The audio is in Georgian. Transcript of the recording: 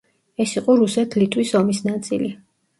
ეს იყო რუსეთ-ლიტვის ომის ნაწილი.